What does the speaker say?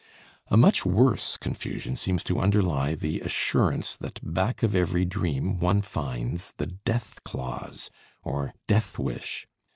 A much worse confusion seems to underlie the assurance that back of every dream one finds the "death clause," or death wish.